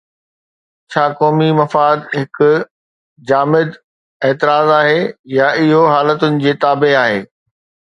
ڇا قومي مفاد هڪ جامد اعتراض آهي يا اهو حالتن جي تابع آهي؟